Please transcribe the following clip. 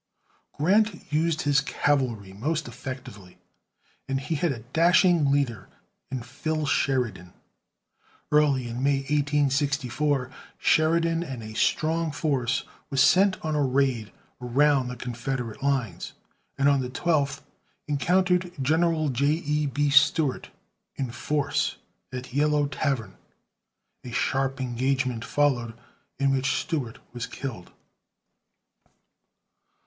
Grant used his cavalry most effectively, and he had a dashing leader in "Phil" Sheridan. Early in May, 1864, Sheridan and a strong force was sent on a raid around the Confederate lines, and on the 12th encountered General J. E. B. Stuart in force at Yellow Tavern. A sharp engagement followed, in which Stuart was killed.